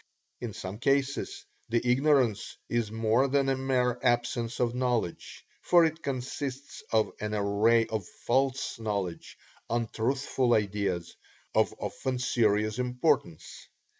In some cases the ignorance is more than a mere absence of knowledge, for it consists of an array of false knowledge, untruthful ideas, of often serious importance.